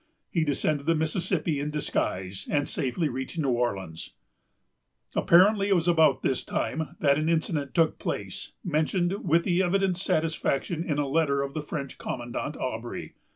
He descended the Mississippi in disguise, and safely reached New Orleans. Apparently, it was about this time that an incident took place, mentioned, with evident satisfaction, in a letter of the French commandant, Aubry.